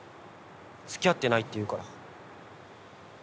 「つきあってない」って言うから。